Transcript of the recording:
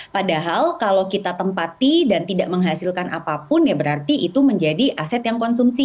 padahal kalau kita tempati dan tidak menghasilkan apapun ya berarti itu menjadi aset yang konsumsi